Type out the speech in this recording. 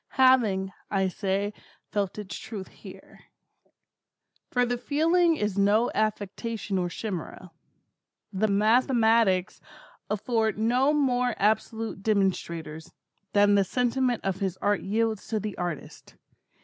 Having, I say, felt its truth here. For the feeling is no affectation or chimera. The mathematics afford no more absolute demonstrations, than the sentiment of his Art yields to the artist.